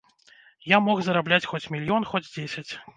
Я мог зарабляць хоць мільён, хоць дзесяць.